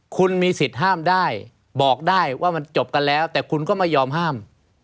คุณมีสิทธิ์ห้ามได้บอกได้ว่ามันจบกันแล้วแต่คุณก็ไม่ยอมห้าม